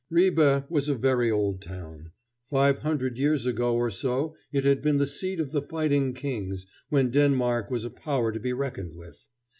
Ribe was a very old town. Five hundred years ago or so it had been the seat of the fighting kings, when Denmark was a power to be reckoned with.